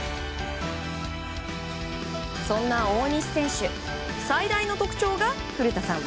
そんな大西選手、最大の特徴が古田さん